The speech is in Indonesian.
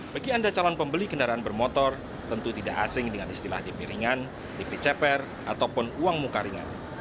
bagi anda calon pembeli kendaraan bermotor tentu tidak asing dengan istilah dp ringan dp ceper ataupun uang muka ringan